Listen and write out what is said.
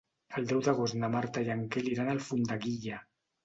El deu d'agost na Marta i en Quel iran a Alfondeguilla.